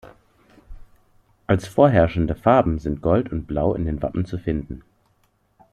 Als vorherrschende Farben sind Gold und Blau in den Wappen zu finden.